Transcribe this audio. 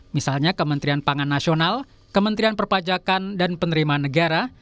misalnya kementerian pangan nasional kementerian perpajakan dan penerimaan negara